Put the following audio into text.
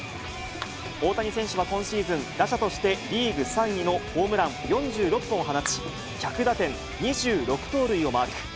大谷選手は今シーズン、打者としてリーグ３位のホームラン４６本を放ち、１００打点２６盗塁をマーク。